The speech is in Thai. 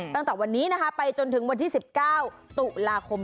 ตั้งแต่วันนี้นะคะไปจนถึงวันที่๑๙ตุลาคม